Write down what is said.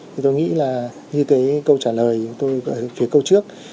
thì tôi nghĩ là như cái câu trả lời tôi phía câu trước